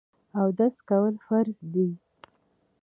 اودس کول فرض دي.